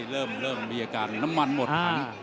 เริ่มมีอาการน้ำมันหมด